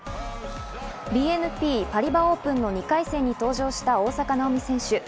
ＢＮＰパリバ・オープンの２回戦に登場した大坂なおみ選手。